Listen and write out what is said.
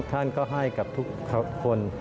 ท่านก็ให้กับทุกคน